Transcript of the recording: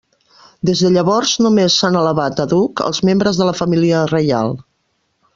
Des de llavors només s'han elevat a duc als membres de la família reial.